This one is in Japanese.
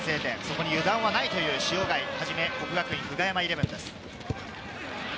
そこに油断はないという塩貝、國學院久我山イレブンです。